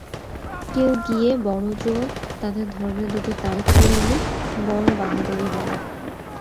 কেউ গিয়ে বড়জোড় তাদের ধর্মের দুটো তারিফ করে এলি, বড় বাহাদুরী হল।